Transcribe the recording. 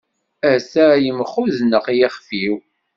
Ata yemxudneq yexef-iw.